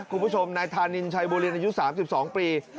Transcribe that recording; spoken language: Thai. คุณผู้ชมนายธานินชัยบัวรินอายุ๓๒ปี